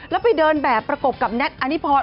แล้วไปเดินแบบประกบกับแท็กอนิพร